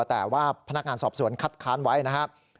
แต่ว่าพนักงานสอบสวนคัดค้านไว้นะครับ